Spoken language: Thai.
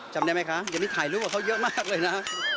จำได้ไหมคะยังไม่ถ่ายรูปกับเขาเยอะมากเลยนะ